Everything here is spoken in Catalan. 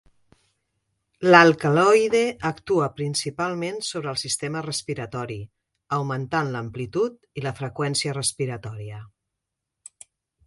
L'alcaloide actua principalment sobre el sistema respiratori, augmentant l'amplitud i la freqüència respiratòria.